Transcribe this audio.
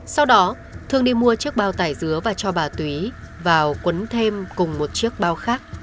sau đó thương đi mua chiếc bao tải dứa và cho bà túy vào quấn thêm cùng một chiếc bao khác